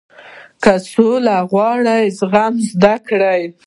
• که سوله غواړې، زغم زده کړه.